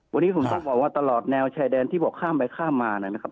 วันนี้ผมต้องบอกว่าตลอดแนวชายแดนที่บอกข้ามไปข้ามมานะครับ